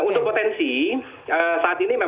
untuk potensi saat ini memang